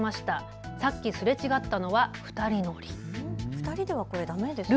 ２人ではだめですよね。